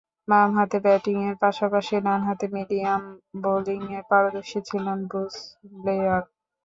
বামহাতে ব্যাটিংয়ের পাশাপাশি ডানহাতে মিডিয়াম বোলিংয়ে পারদর্শী ছিলেন ব্রুস ব্লেয়ার।